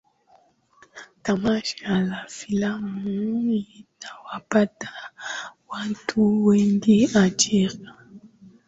Tamasha la filamu litawapatia watu wengi ajira